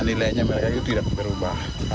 nilainya mereka itu tidak berubah